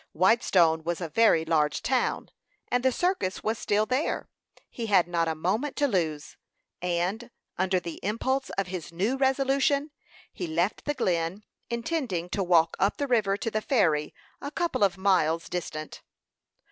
Whitestone was a very large town, and the circus was still there. He had not a moment to lose; and, under the impulse of his new resolution, he left the Glen, intending to walk up the river to the ferry, a couple of miles distant.